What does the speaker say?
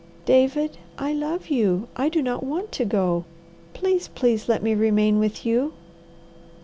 "David, I love you. I do not want to go. Please, please let me remain with you."